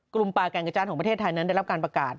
ปลาแก่งกระจานของประเทศไทยนั้นได้รับการประกาศ